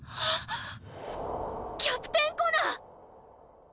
キャプテン・コナー！